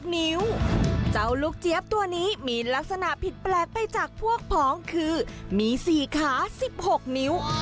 นิ้วเจ้าลูกเจี๊ยบตัวนี้มีลักษณะผิดแปลกไปจากพวกผองคือมี๔ขา๑๖นิ้ว